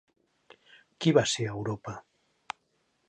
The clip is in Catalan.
Qui va ser Europa?